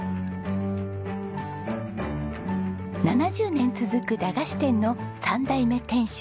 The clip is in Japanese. ７０年続く駄菓子店の３代目店主